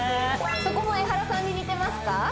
そこもエハラさんに似てますか？